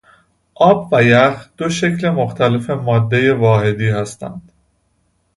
آب و یخ دو شکل مختلف مادهی واحدی هستند.